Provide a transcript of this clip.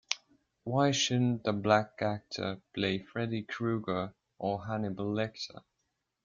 Why shouldn't a black actor play Freddy Krueger or Hannibal Lector?